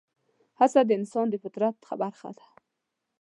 هڅه د انسان د فطرت برخه ده.